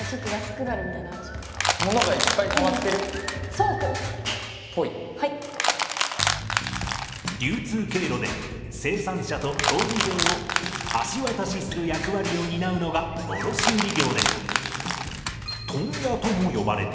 そこに私たちの何か流通経路で生産者と小売業を橋渡しする役割を担うのが卸売業で問屋とも呼ばれています。